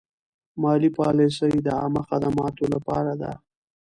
مالي پالیسي د عامه خدماتو لپاره ده.